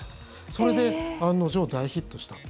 それで案の定、大ヒットした。